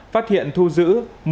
phát hiện thu giữ một ba mươi